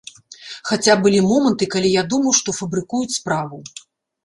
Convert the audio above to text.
Хаця былі моманты, калі я думаў, што фабрыкуюць справу.